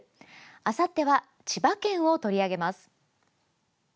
あさっては千葉県を取り上げます。